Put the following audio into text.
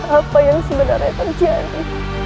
apa yang sebenarnya terjadi